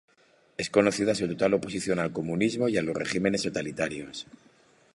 Es conocida su total oposición al comunismo y a los regímenes totalitarios.